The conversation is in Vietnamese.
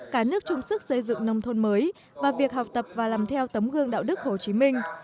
cả nước chung sức xây dựng nông thôn mới và việc học tập và làm theo tấm gương đạo đức hồ chí minh